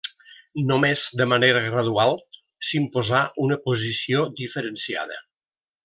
Només de manera gradual s'imposà una posició diferenciada.